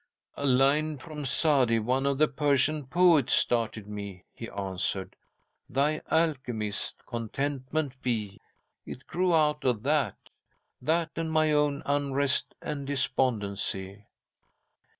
"A line from Sadi, one of the Persian poets, started me," he answered. "'Thy alchemist, Contentment be.' It grew out of that that and my own unrest and despondency."